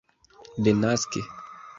denaske